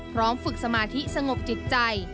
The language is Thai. ฝึกสมาธิสงบจิตใจ